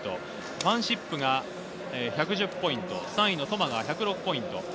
ファンシップ１１０ポイント、３位トマ１０６ポイントです。